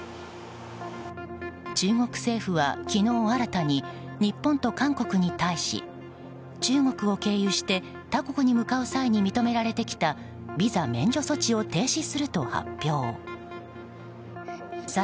中国政府は、昨日新たに日本と韓国に対し中国を経由して他国に向かう際に認められてきたビザ免除措置を停止する徒歩。